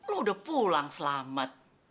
lo udah pulang selamat